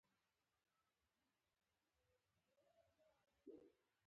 د اکثرو صاحب نظرانو له خوا منل شوې ده.